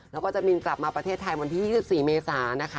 แล้วก็จะบินกลับมาประเทศไทยวันที่๒๔เมษานะคะ